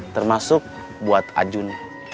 termasuk buat ajun